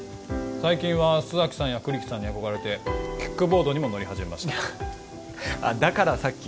最近は須崎さんや栗木さんに憧れてキックボードにも乗り始めましたあっだからさっき？